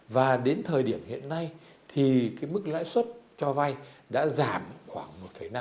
và đến thời điểm hiện nay thì mức lãi suất cho vai đã giảm khoảng một năm hai